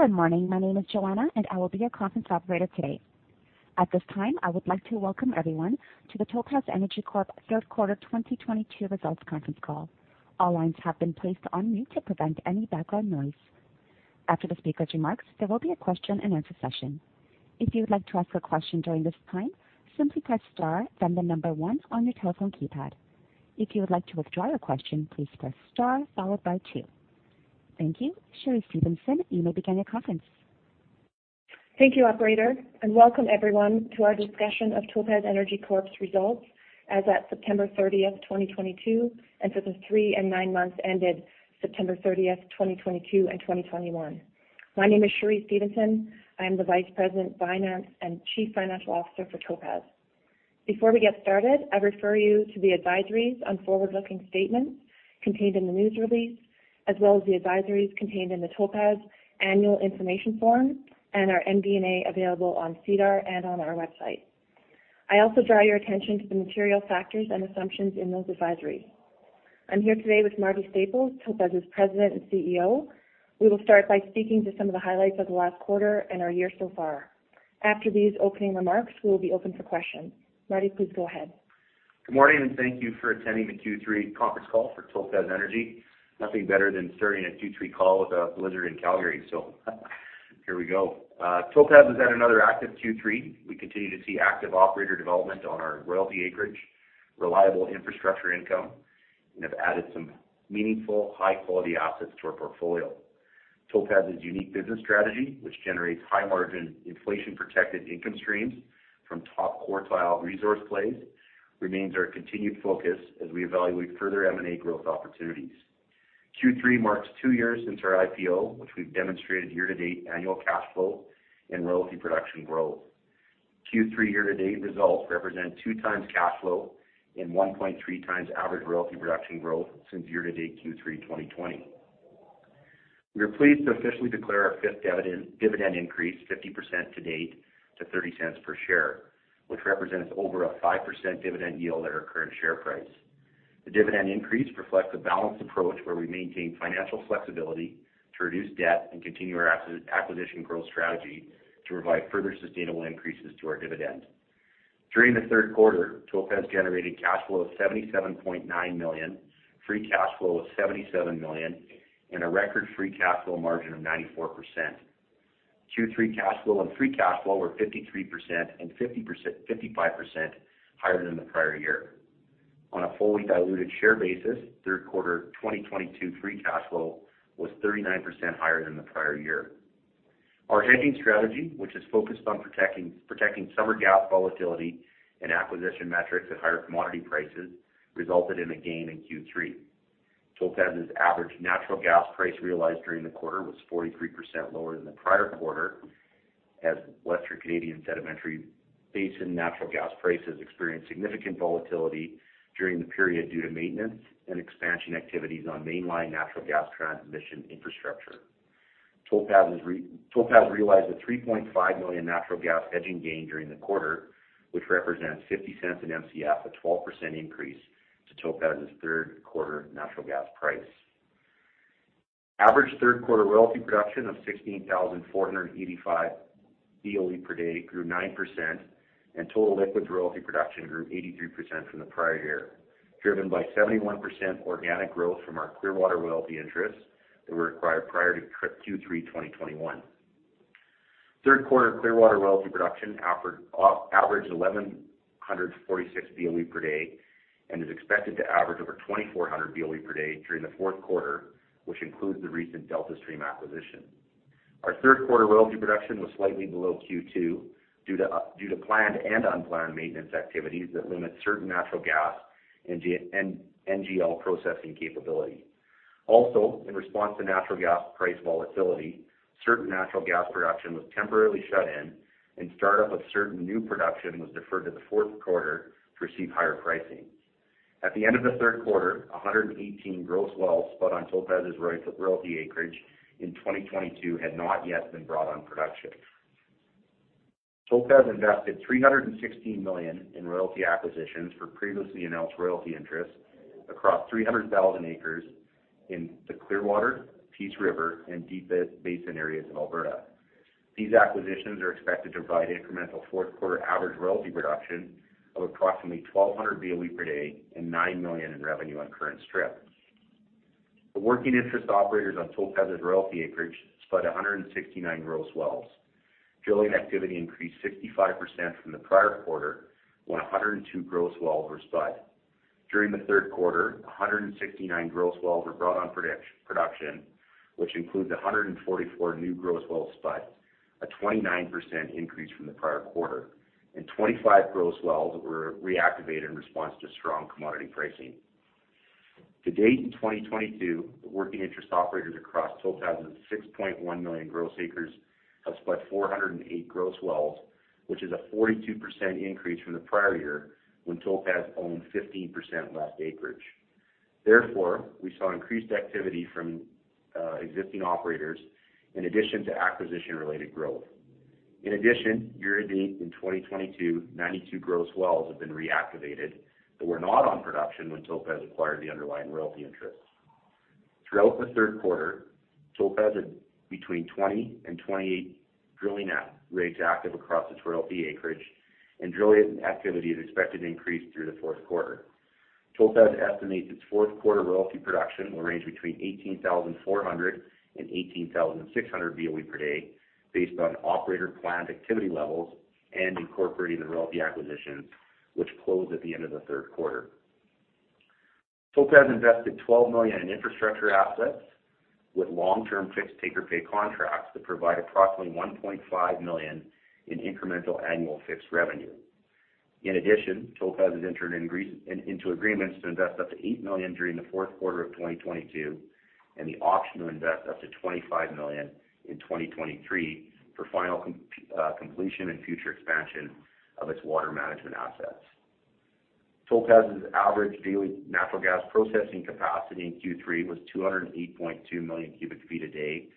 Good morning. My name is Joanna, and I will be your conference operator today. At this time, I would like to welcome everyone to the Topaz Energy Corp third quarter 2022 results conference call. All lines have been placed on mute to prevent any background noise. After the speaker's remarks, there will be a question-and-answer session. If you would like to ask a question during this time, simply press star then the number one on your telephone keypad. If you would like to withdraw your question, please press star followed by two. Thank you. Cheree Stephenson, you may begin your conference. Thank you, Operator, and welcome everyone to our discussion of Topaz Energy Corp.'s results as at September 30, 2022, and for the three and nine months ended September 30, 2022 and 2021. My name is Cheree Stephenson. I am the Vice President, Finance, and Chief Financial Officer for Topaz. Before we get started, I refer you to the advisories on forward-looking statements contained in the news release, as well as the advisories contained in the Topaz annual information form and our MD&A available on SEDAR and on our website. I also draw your attention to the material factors and assumptions in those advisories. I'm here today with Marty Staples, Topaz's President and CEO. We will start by speaking to some of the highlights of the last quarter and our year so far. After these opening remarks, we will be open for questions. Marty, please go ahead. Good morning, and thank you for attending the Q3 conference call for Topaz Energy. Nothing better than starting a Q3 call with a blizzard in Calgary. Topaz has had another active Q3. We continue to see active operator development on our royalty acreage, reliable infrastructure income, and have added some meaningful, high-quality assets to our portfolio. Topaz's unique business strategy, which generates high margin inflation-protected income streams from top quartile resource plays, remains our continued focus as we evaluate further M&A growth opportunities. Q3 marks two years since our IPO, which we've demonstrated year-to-date annual cash flow and royalty production growth. Q3 year-to-date results represent 2x cash flow and 1.3x average royalty production growth since year-to-date Q3 2020. We are pleased to officially declare our fifth dividend increase 50% to date to 0.30 (Canadian Dollar) per share, which represents over a 5% dividend yield at our current share price. The dividend increase reflects a balanced approach where we maintain financial flexibility to reduce debt and continue our acquisition growth strategy to provide further sustainable increases to our dividend. During the third quarter, Topaz generated cash flow of 77.9 million (Canadian Dollar), free cash flow of 77 million (Canadian Dollar), and a record free cash flow margin of 94%. Q3 cash flow and free cash flow were 53% and 55% higher than the prior year. On a fully diluted share basis, third quarter 2022 free cash flow was 39% higher than the prior year. Our hedging strategy, which is focused on protecting summer gas volatility and acquisition metrics at higher commodity prices, resulted in a gain in Q3. Topaz's average natural gas price realized during the quarter was 43% lower than the prior quarter as Western Canadian Sedimentary Basin natural gas prices experienced significant volatility during the period due to maintenance and expansion activities on mainline natural gas transmission infrastructure. Topaz realized a 3.5 million (Canadian Dollar) natural gas hedging gain during the quarter, which represents 0.50/MCF, a 12% increase to Topaz's third quarter natural gas price. Average third quarter royalty production of 16,485 BOE per day grew 9% and total liquids royalty production grew 83% from the prior year, driven by 71% organic growth from our Clearwater royalty interests that were acquired prior to Q3 2021. Third quarter Clearwater royalty production averaged 1,146 BOE per day and is expected to average over 2,400 BOE per day during the fourth quarter, which includes the recent Deltastream acquisition. Our third quarter royalty production was slightly below Q2 due to planned and unplanned maintenance activities that limit certain natural gas and NGL processing capability. Also, in response to natural gas price volatility, certain natural gas production was temporarily shut in and start-up of certain new production was deferred to the fourth quarter to receive higher pricing. At the end of the third quarter, 118 gross wells spud on Topaz's royalty acreage in 2022 had not yet been brought on production. Topaz invested 316 million (Canadian Dollar) in royalty acquisitions for previously announced royalty interests across 300,000 acres in the Clearwater, Peace River, and Deep Basin areas of Alberta. These acquisitions are expected to provide incremental fourth quarter average royalty production of approximately 1,200 BOE per day and 9 million (Canadian Dollar) in revenue on current strip. The working interest operators on Topaz's royalty acreage spud 169 gross wells. Drilling activity increased 65% from the prior quarter when 102 gross wells were spud. During the third quarter, 169 gross wells were brought on production, which includes 144 new gross wells spud, a 29% increase from the prior quarter, and 25 gross wells were reactivated in response to strong commodity pricing. To date in 2022, the working interest operators across Topaz's 6.1 million gross acres have spud 408 gross wells, which is a 42% increase from the prior year when Topaz owned 15% less acreage. Therefore, we saw increased activity from existing operators in addition to acquisition-related growth. In addition, year-to-date in 2022, 92 gross wells have been reactivated that were not on production when Topaz acquired the underlying royalty interests. Throughout the third quarter, Topaz had between 20 and 28 drilling rates active across its royalty acreage, and drilling activity is expected to increase through the fourth quarter. Topaz estimates its fourth quarter royalty production will range between 18,400 and 18,600 BOE per day based on operator planned activity levels and incorporating the royalty acquisitions which closed at the end of the third quarter. Topaz invested 12 million (Canadian Dollar) in infrastructure assets with long-term fixed take-or-pay contracts that provide approximately 1.5 million (Canadian Dollar) in incremental annual fixed revenue. In addition, Topaz has entered into agreements to invest up to 8 million (Canadian Dollar) during the fourth quarter of 2022, and the option to invest up to 25 million (Canadian Dollar) in 2023 for final completion and future expansion of its water management assets. Topaz's average daily natural gas processing capacity in Q3 was 208.2 million cu ft a day,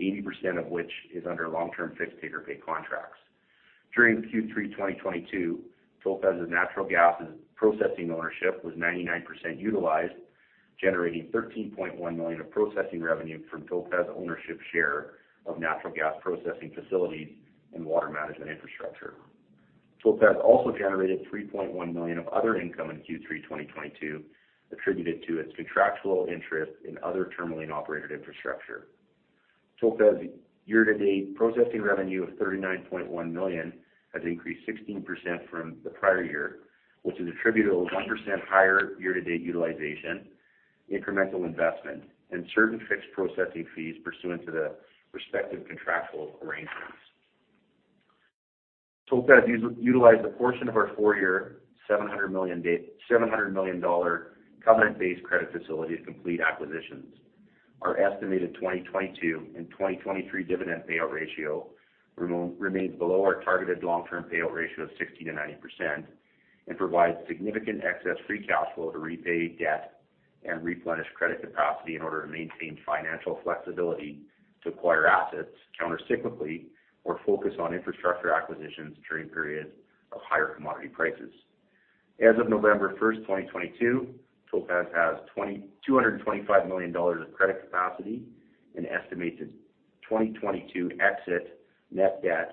80% of which is under long-term fixed take-or-pay contracts. During Q3 2022, Topaz's natural gas processing ownership was 99% utilized, generating 13.1 million (Canadian Dollar) of processing revenue from Topaz ownership share of natural gas processing facilities and water management infrastructure. Topaz also generated 3.1 million (Canadian Dollar) of other income in Q3 2022, attributed to its contractual interest in other Tourmaline-operated infrastructure. Topaz year-to-date processing revenue of 39.1 million (Canadian Dollar) has increased 16% from the prior year, which is attributable to 1% higher year-to-date utilization, incremental investment, and certain fixed processing fees pursuant to the respective contractual arrangements. Topaz utilized a portion of our four-year 700 million (Canadian Dollar) covenant-based credit facility to complete acquisitions. Our estimated 2022 and 2023 dividend payout ratio remains below our targeted long-term payout ratio of 60%-90% and provides significant excess free cash flow to repay debt and replenish credit capacity in order to maintain financial flexibility to acquire assets countercyclically or focus on infrastructure acquisitions during periods of higher commodity prices. As of November 1st, 2022, Topaz has 2,225 million (Canadian Dollar) of credit capacity and estimates its 2022 exit net debt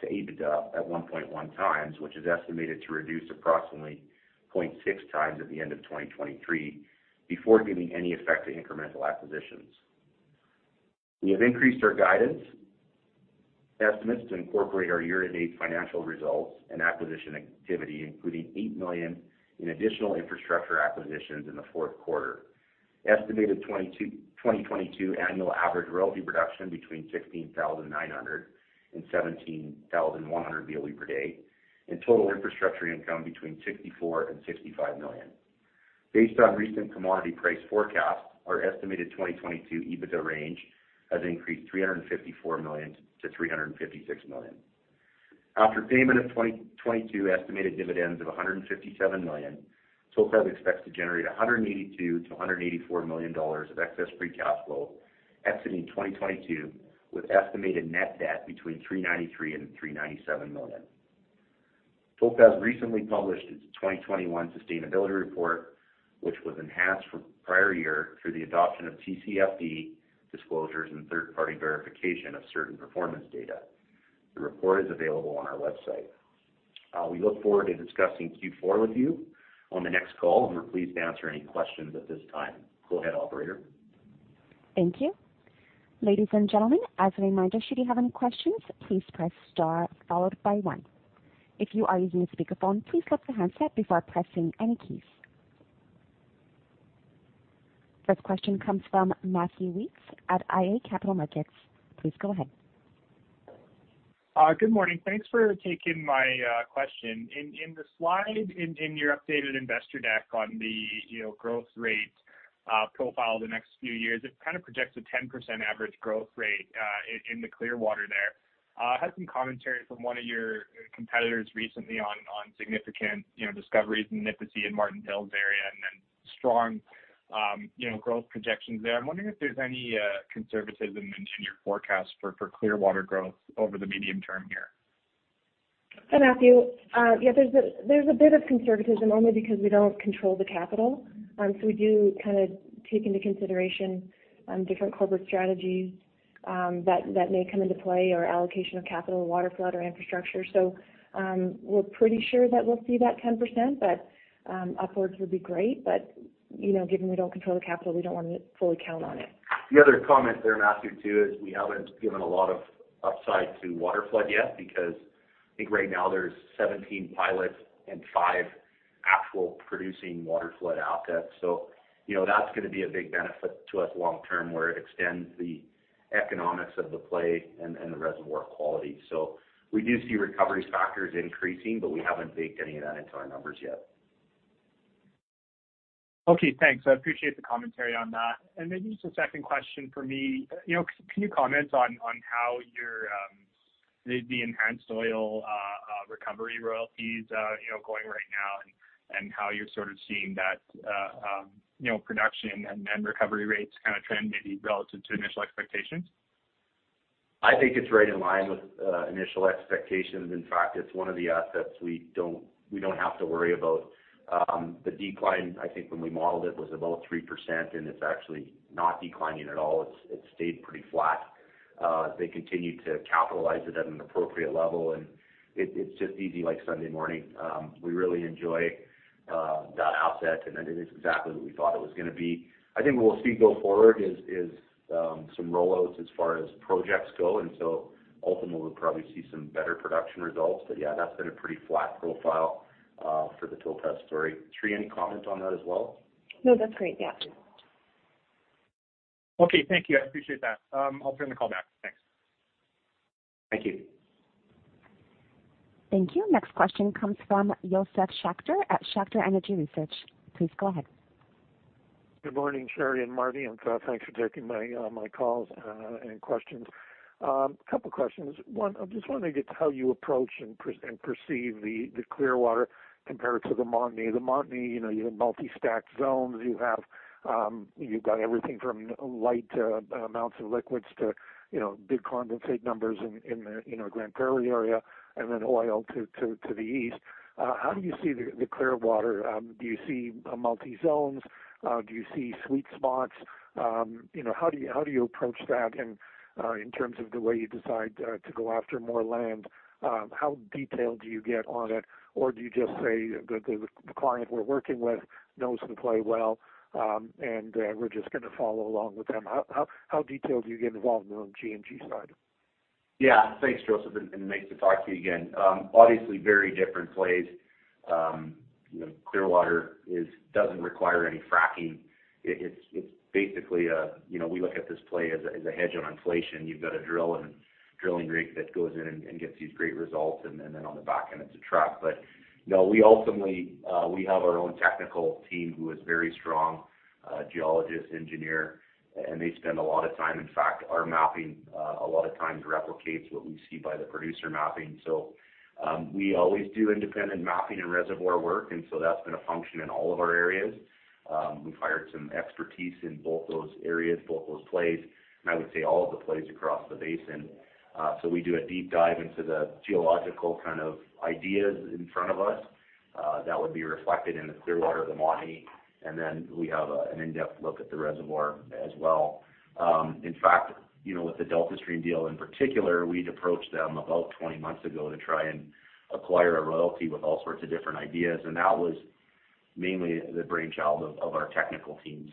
to EBITDA at 1.1x, which is estimated to reduce approximately 0.6x at the end of 2023 before giving any effect to incremental acquisitions. We have increased our guidance estimates to incorporate our year-to-date financial results and acquisition activity, including 8 million (Canadian Dollar) in additional infrastructure acquisitions in the fourth quarter. Estimated 2022 annual average royalty production between 16,900 and 17,100 BOE per day and total infrastructure income between 64 million (Canadian Dollar) and 65 million (Canadian Dollar). Based on recent commodity price forecasts, our estimated 2022 EBITDA range has increased 354 million-356 million (Canadian Dollar). After payment of 2022 estimated dividends of 157 million (Canadian Dollar), Topaz expects to generate 182 million-184 million (Canadian Dollar) of excess free cash flow exiting 2022, with estimated net debt between 393 million (Canadian Dollar) and 397 million (Canadian Dollar). Topaz recently published its 2021 Sustainability Report, which was enhanced from prior year through the adoption of TCFD disclosures and third-party verification of certain performance data. The report is available on our website. We look forward to discussing Q4 with you on the next call and we're pleased to answer any questions at this time. Go ahead, operator. Thank you. Ladies and gentlemen, as a reminder, should you have any questions, please press star followed by one. If you are using a speakerphone, please lift the handset before pressing any keys. First question comes from Matthew Weekes at iA Capital Markets. Please go ahead. Good morning. Thanks for taking my question. In the slide in your updated investor deck on the, you know, growth rate profile the next few years, it kind of projects a 10% average growth rate in the Clearwater there. Had some commentary from one of your competitors recently on significant, you know, discoveries in Nipisi and Marten Hills area, and then strong, you know, growth projections there. I'm wondering if there's any conservatism in your forecast for Clearwater growth over the medium term here. Hi, Matthew. Yeah, there's a bit of conservatism only because we don't control the capital. We do kind of take into consideration different corporate strategies that may come into play or allocation of capital to waterflood or infrastructure. We're pretty sure that we'll see that 10%, but upwards would be great. You know, given we don't control the capital, we don't wanna fully count on it. The other comment there, Matthew, too, is we haven't given a lot of upside to waterflood yet because I think right now there's 17 pilots and five actual producing waterflood outlets. You know, that's gonna be a big benefit to us long term, where it extends the economics of the play and the reservoir quality. We do see recovery factors increasing, but we haven't baked any of that into our numbers yet. Okay, thanks. I appreciate the commentary on that. Maybe just a second question for me. You know, can you comment on how your enhanced oil recovery royalties going right now and how you're sort of seeing that production and recovery rates kind of trend maybe relative to initial expectations? I think it's right in line with initial expectations. In fact, it's one of the assets we don't have to worry about. The decline, I think, when we modeled it, was about 3%, and it's actually not declining at all. It's stayed pretty flat. They continue to capitalize it at an appropriate level, and it's just easy like Sunday morning. We really enjoy that asset, and it is exactly what we thought it was gonna be. I think what we'll see go forward is some rollouts as far as projects go. Ultimately we'll probably see some better production results. Yeah, that's been a pretty flat profile for the Topaz story. Cheree, any comment on that as well? No, that's great. Yeah. Okay. Thank you. I appreciate that. I'll put in the call back. Thanks. Thank you. Thank you. Next question comes from Josef Schachter at Schachter Energy Research. Please go ahead. Good morning, Cheree and Marty, and thanks for taking my calls and questions. Couple questions. One, I'm just wondering how you approach and perceive the Clearwater compared to the Montney. The Montney, you know, you have multi-stacked zones. You have, you've got everything from light amounts of liquids to, you know, big condensate numbers in the Grande Prairie area and then oil to the east. How do you see the Clearwater? Do you see multi-zones? Do you see sweet spots? You know, how do you approach that in terms of the way you decide to go after more land? How detailed do you get on it? Do you just say the client we're working with knows the play well, and we're just gonna follow along with them? How detailed do you get involved on the G&G side? Yeah. Thanks, Josef, and nice to talk to you again. Obviously very different plays. You know, Clearwater doesn't require any fracking. It's basically a, you know, we look at this play as a hedge on inflation. You've got a drill and drilling rig that goes in and gets these great results, and then on the back end, it's a truck. But no, we ultimately have our own technical team who is very strong geologist, engineer, and they spend a lot of time. In fact, our mapping a lot of times replicates what we see by the producer mapping. We always do independent mapping and reservoir work, and so that's been a function in all of our areas. We've hired some expertise in both those areas, both those plays, and I would say all of the plays across the basin. We do a deep dive into the geological kind of ideas in front of us, that would be reflected in the Clearwater, the Montney, and then we have an in-depth look at the reservoir as well. In fact, you know, with the Deltastream deal in particular, we'd approached them about 20 months ago to try and acquire a royalty with all sorts of different ideas, and that was mainly the brainchild of our technical team.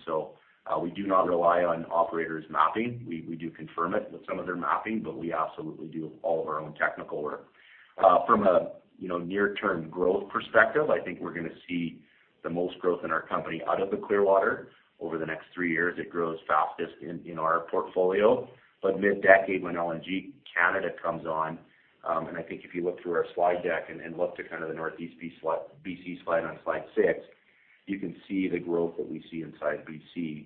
We do not rely on operators' mapping. We do confirm it with some of their mapping, but we absolutely do all of our own technical work. From a near-term growth perspective, I think we're gonna see the most growth in our company out of the Clearwater over the next three years. It grows fastest in our portfolio. Mid-decade, when LNG Canada comes on, and I think if you look through our slide deck and look to kind of the Northeast BC slide on slide six, you can see the growth that we see inside BC.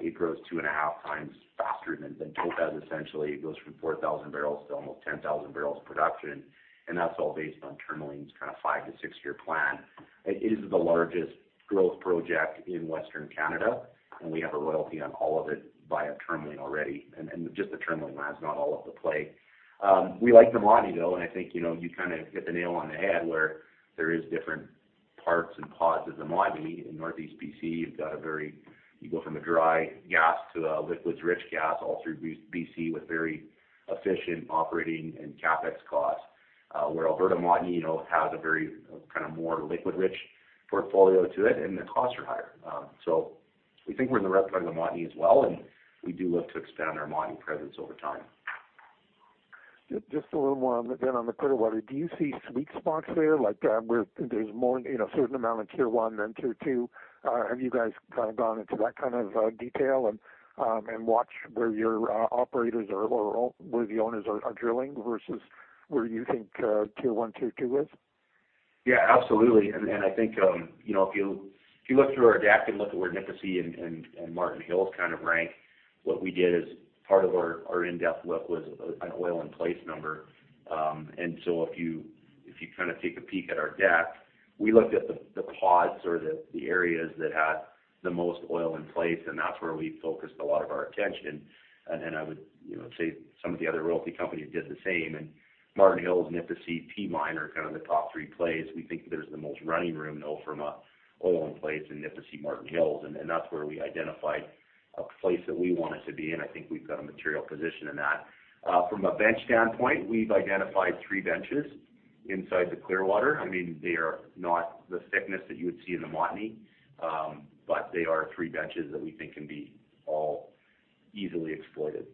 It grows two and a half times faster than Topaz essentially. It goes from 4,000 barrels to almost 10,000 barrels of production, and that's all based on Tourmaline's kinda five- to six-year plan. It is the largest growth project in Western Canada, and we have a royalty on all of it via Tourmaline already, and just the Tourmaline lands, not all of the play. We like the Montney though, and I think, you know, you kinda hit the nail on the head where there is different parts and pods of the Montney. In Northeast BC, you go from a dry gas to a liquids rich gas all through BC with very efficient operating and CapEx costs. Where Alberta Montney, you know, has a very, kinda more liquid rich portfolio to it, and the costs are higher. We think we're in the red part of the Montney as well, and we do look to expand our Montney presence over time. Just a little more on the Clearwater. Do you see sweet spots there, like, where there's more, you know, a certain amount in tier one than tier two? Have you guys kinda gone into that kind of detail and watched where your operators are or where the owners are drilling versus where you think tier one, tier two is? Yeah, absolutely. I think, you know, if you look through our deck and look at where Nipisi and Marten Hills kind of rank, what we did as part of our in-depth look was an oil in place number. If you kinda take a peek at our deck, we looked at the pods or the areas that had the most oil in place, and that's where we focused a lot of our attention. I would, you know, say some of the other royalty companies did the same. Marten Hills, Nipisi, Peavine are kind of the top three plays. We think there's the most running room though from an oil in place in Nipisi, Marten Hills, and that's where we identified a place that we wanted to be, and I think we've got a material position in that. From a bench standpoint, we've identified three benches inside the Clearwater. I mean, they are not the thickness that you would see in the Montney, but they are three benches that we think can be all easily exploited.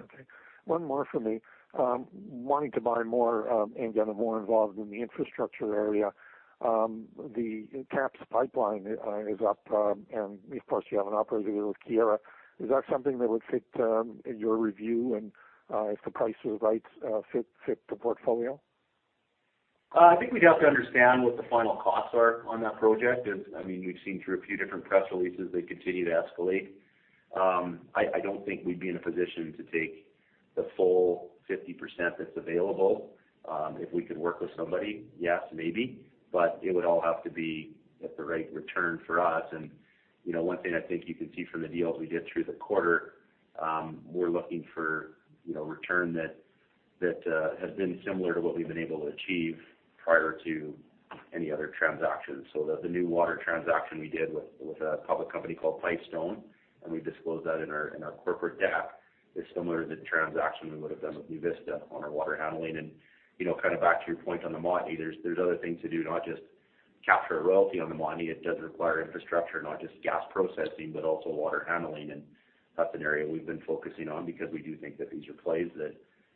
Okay. One more from me. Wanting to buy more, and getting more involved in the infrastructure area, the KAPS Pipeline is up, and of course, you have an operator with Keyera. Is that something that would fit your review and, if the price was right, fit the portfolio? I think we'd have to understand what the final costs are on that project. I mean, we've seen through a few different press releases, they continue to escalate. I don't think we'd be in a position to take the full 50% that's available. If we could work with somebody, yes, maybe, but it would all have to be at the right return for us. You know, one thing I think you can see from the deals we did through the quarter, we're looking for, you know, return that has been similar to what we've been able to achieve prior to any other transactions. The new water transaction we did with a public company called Pipestone, and we disclosed that in our corporate deck, is similar to the transaction we would've done with NuVista on our water handling. You know, kinda back to your point on the Montney, there's other things to do, not just capture a royalty on the Montney. It does require infrastructure, not just gas processing, but also water handling. That's an area we've been focusing on because we do think that these are plays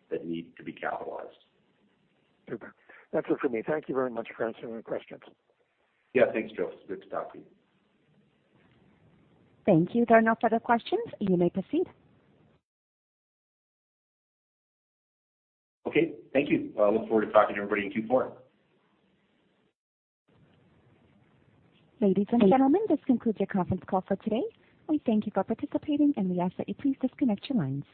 that need to be capitalized. Super. That's it for me. Thank you very much for answering my questions. Yeah. Thanks, Josef. Good to talk to you. Thank you. There are no further questions. You may proceed. Okay. Thank you. I look forward to talking to everybody in Q4. Ladies and gentlemen, this concludes your conference call for today. We thank you for participating, and we ask that you please disconnect your lines.